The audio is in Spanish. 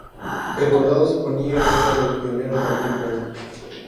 El condado se ponía el nombre del pionero Daniel Boone.